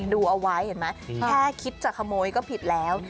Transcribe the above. ดูเอาไว้เห็นไหมแค่คิดจะขโมยก็ผิดแล้ว